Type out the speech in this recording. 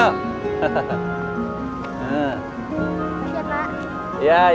terima kasih pak